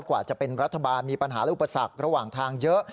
กว่าจะเป็นรัฐบาลมีปัญหาและอุปสรรคระหว่างทางเยอะ